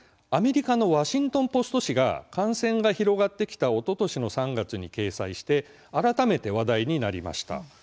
アメリカのワシントンポスト紙が感染が広がってきたおととしの３月に掲載して改めて話題になりました。